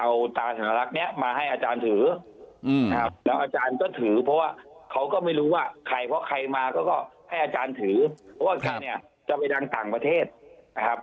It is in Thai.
เอาตาสนลักษณ์นี้มาให้อาจารย์ถือนะครับแล้วอาจารย์ก็ถือเพราะว่าเขาก็ไม่รู้ว่าใครเพราะใครมาก็ให้อาจารย์ถือเพราะว่าอาจารย์เนี่ยจะไปดังต่างประเทศนะครับ